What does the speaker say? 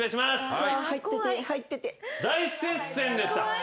大接戦でした。